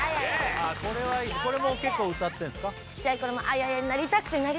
これはいいこれも結構歌ってんすか？